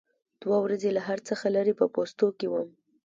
دوه ورځې له هر څه څخه لرې په پوستو کې وم.